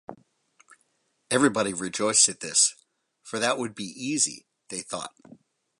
Everybody rejoiced at this, for that would be easy, they thought.